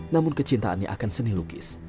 namun kecintaannya akan seni lukis